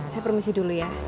saya permisi dulu ya